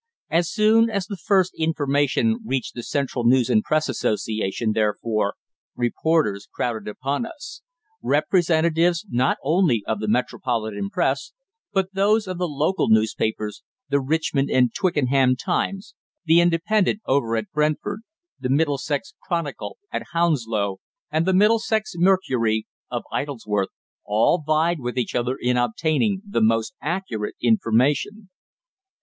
As soon as the first information reached the Central News and Press Association, therefore, reporters crowded upon us. Representatives, not only of the metropolitan press, but those of the local newspapers, the "Richmond and Twickenham Times," the "Independent," over at Brentford, the "Middlesex Chronicle" at Hounslow, and the "Middlesex Mercury," of Isleworth, all vied with each other in obtaining the most accurate information.